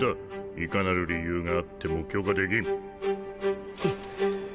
いかなる理由があっても許可できん。